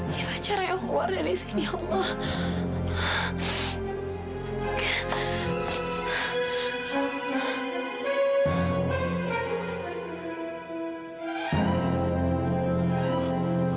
gimana cara yang keluar dari sini allah